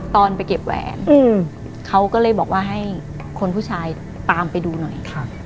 ตอนไปเก็บแหวนเขาก็เลยบอกว่าให้คนผู้ชายตามไปดูหน่อย